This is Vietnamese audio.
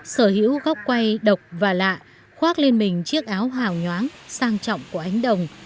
sở hữu góc quay độc và lạ khoác lên mình chiếc áo hào nhoáng sang trọng của ánh đồng